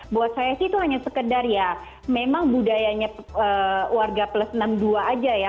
buat saya sih itu hanya sekedar ya memang budayanya warga plus enam puluh dua aja ya